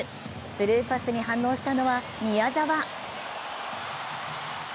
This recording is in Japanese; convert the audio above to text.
スルーパスに反応したのは宮澤。